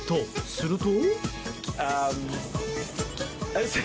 すると。